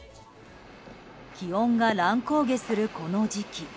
気温が乱高下するこの時期。